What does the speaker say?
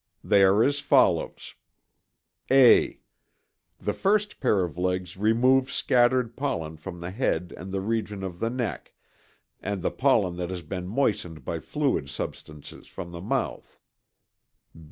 They are as follows: (a) The first pair of legs remove scattered pollen from the head and the region of the neck, and the pollen that has been moistened by fluid substances from the mouth.